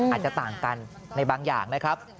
อาจจะต่างกันในบางอย่างนะครับ